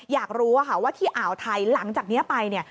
อยากรู้ว่าที่แอ๋าทัยหลังจากที่นี้ไป